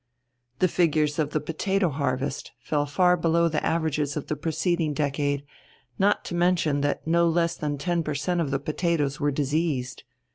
The figures of the potato harvest fell far below the average of the preceding decade, not to mention that no less than 10 per cent. of the potatoes were diseased.